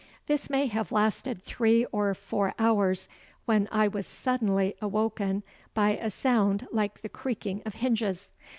This may have lasted three or four hours, when I was suddenly awoken by a sound like the creaking of hinges.